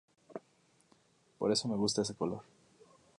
Por eso me gusta este color".